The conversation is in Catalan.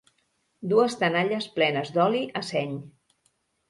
Dues tenalles plenes d'oli, a seny.